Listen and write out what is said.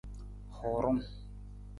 Huurung.